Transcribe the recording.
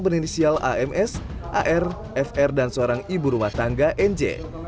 berinisial ams ar fr dan seorang ibu rumah tangga nj